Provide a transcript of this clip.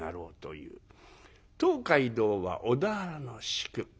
東海道は小田原の宿。